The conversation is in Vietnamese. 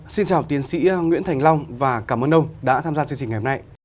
xin chào tiến sĩ nguyễn thành long và cảm ơn ông đã tham gia chương trình ngày hôm nay